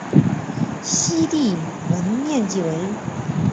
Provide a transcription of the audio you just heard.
西帝汶面积为。